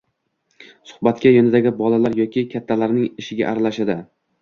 suhbatga, yonidagi bolalar yoki kattalarning ishiga aralashadi